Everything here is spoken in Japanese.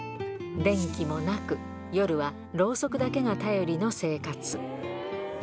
電気もなく、夜はろうそくだけが頼りの生活。